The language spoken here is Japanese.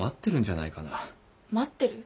待ってる？